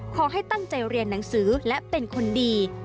ขอให้ตั้งใจเรียนหนังสือและเป็นคนดี